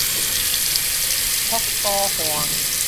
噗肚岸